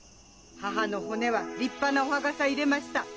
「母の骨は立派なお墓さ入れました。